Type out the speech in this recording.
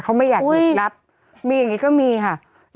เขาไม่อยากหยุดรับมีอย่างนี้ก็มีค่ะ